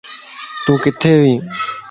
تون ڪٿي وي